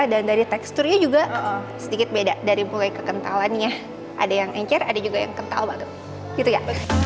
dan dari teksturnya juga sedikit beda dari mulai kekentalannya ada yang encer ada juga yang kental banget gitu ya